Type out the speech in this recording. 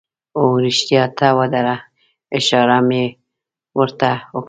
هو، رښتیا ته ودره، اشاره مې ور ته وکړه.